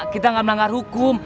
kita tidak melanggar hukum